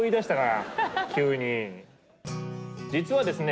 実はですね